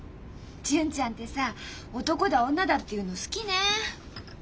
純ちゃんてさ男だ女だって言うの好きねえ。